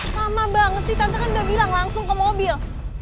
sama banget sih tadi kan udah bilang langsung ke mobil